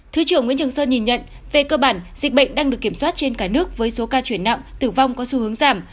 thứ trưởng nguyễn trường sơn nhìn nhận về cơ bản dịch bệnh đang được kiểm soát trên cả nước với số ca chuyển nặng tử vong có xu hướng giảm